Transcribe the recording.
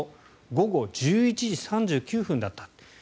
午後１１時３９分だった。